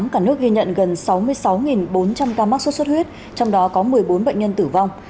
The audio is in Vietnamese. cả nước ghi nhận gần sáu mươi sáu bốn trăm linh ca mắc sốt xuất huyết trong đó có một mươi bốn bệnh nhân tử vong